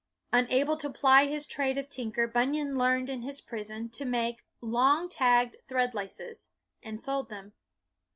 Unable to ply his trade of tinker, Bun yan learned in his prison to make " long tagged thread laces," and sold them.